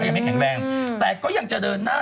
ยังไม่แข็งแรงแต่ก็ยังจะเดินหน้า